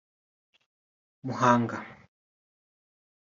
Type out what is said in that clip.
Muhanga